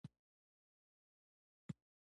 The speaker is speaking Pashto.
په مینه یې مستو ته وکتل.